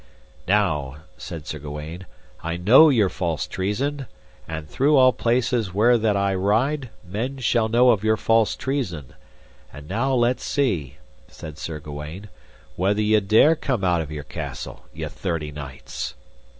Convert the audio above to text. Now, said Sir Gawaine, I know your false treason, and through all places where that I ride men shall know of your false treason; and now let see, said Sir Gawaine, whether ye dare come out of your castle, ye thirty knights.